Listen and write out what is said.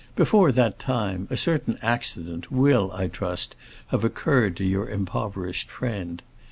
Before that time, a certain accident will, I trust, have occurred to your impoverished friend.